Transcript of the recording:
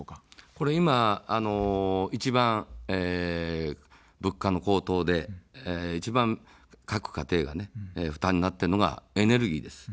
ここは一番、物価の高騰で一番各家庭が負担になっているのがエネルギーです。